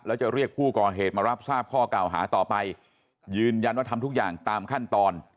แล้วจะเรียกผู้ก่อเหตุมารับทราบข้อเก่าหาต่อไปยืนยันว่าทำทุกอย่างตามขั้นตอน